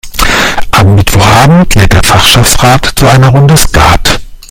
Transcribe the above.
Am Mittwochabend lädt der Fachschaftsrat zu einer Runde Skat.